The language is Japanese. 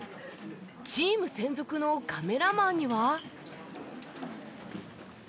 チーム専属のカメラマンには。